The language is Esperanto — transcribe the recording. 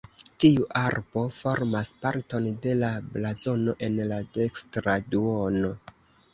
Tiu arbo formas parton de la blazono en la dekstra duono.